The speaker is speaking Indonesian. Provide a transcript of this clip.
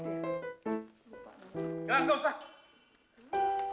gak usah gak usah